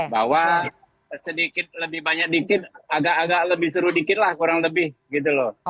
bahwa sedikit lebih banyak dikit agak agak lebih seru dikit lah kurang lebih gitu loh